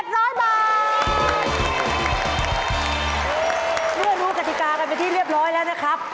เมื่อรู้กติกากันเป็นที่เรียบร้อยแล้วนะครับ